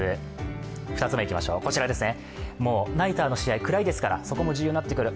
ナイターの試合、暗いですから、そこも重要になってくる。